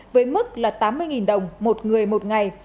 với mức là tám mươi đồng một người một ngày